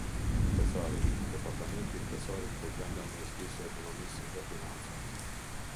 Thesari — Departamenti i Thesarit përbrenda Ministrisë së Ekonomisë dhe Financave.